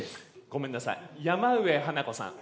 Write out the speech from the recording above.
ごめんなさい山上花子さん。